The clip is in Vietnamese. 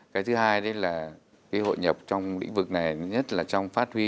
cái thứ hai là hội nhập trong lĩnh vực này nhất là trong phát huy